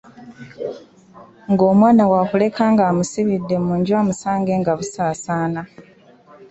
Ng’omwana waakuleka ng’amusibidde mu nju amusange nga busaasaana.